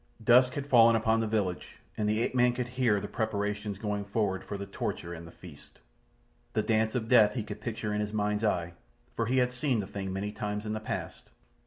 Dusk had fallen upon the village, and the ape man could hear the preparations going forward for the torture and the feast. The dance of death he could picture in his mind's eye—for he had seen the thing many times in the past.